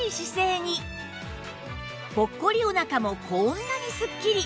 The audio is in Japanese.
ぽっこりお腹もこんなにすっきり！